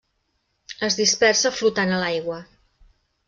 Es dispersa flotant a l'aigua.